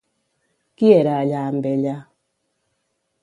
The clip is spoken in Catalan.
Qui era allà amb ella?